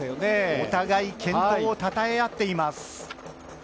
お互い、健闘をたたえ合っています。